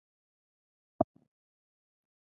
د دې لپاره چې د عمل جامه واغوندي.